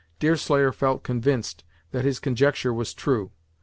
Deerslayer felt convinced that his conjecture was true.